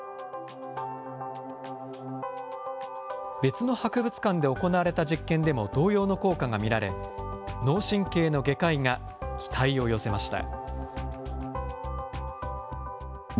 別の博物館で行われた実験でも同様の効果が見られ、脳神経の外科医が期待を寄せました。